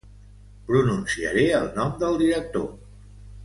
Pronunciaré el nom del director.